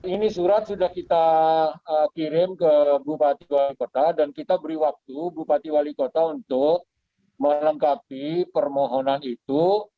ini surat sudah kita kirim ke bupati wali kota dan kita beri waktu bupati wali kota untuk melengkapi permohonan itu